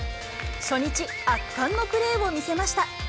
初日、圧巻のプレーを見せました。